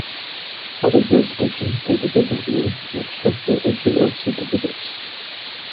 Other jurisdictions take a different view, and restrict the issue of certificates.